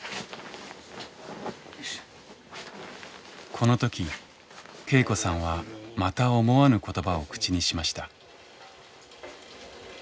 この時恵子さんはまた思わぬ言葉を口にしました。